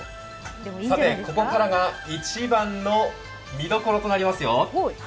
さてここからが一番の見どころでございますよ。